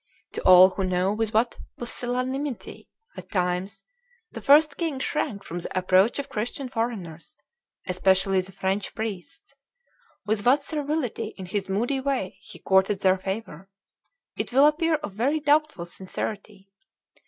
To all who know with what pusillanimity at times the First King shrank from the approach of Christian foreigners, especially the French priests, with what servility in his moody way he courted their favor, it will appear of very doubtful sincerity.